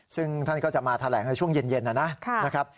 ซึ่งท่านก็จะมาแถลงในช่วงเย็นนะครับ